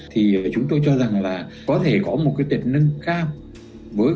thì chúng tôi cho rằng là có thể có một cái tệ nâng cao